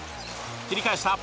切り返した。